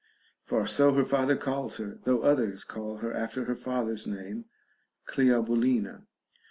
— for so her father calls her, though others call her after her father's name Cleobulina.